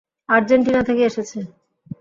Argentina থেকে এসেছে!